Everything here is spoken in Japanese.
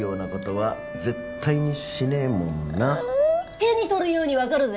手に取るようにわかるぜ。